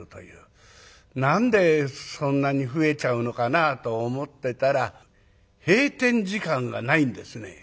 何でそんなに増えちゃうのかなあと思ってたら閉店時間がないんですね。